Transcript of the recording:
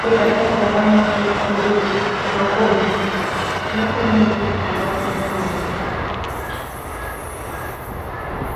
mbili katika sensa ya mwaka elfu mbili na kumi na tisa na wale wa